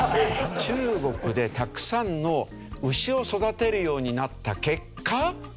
中国でたくさんの牛を育てるようになった結果。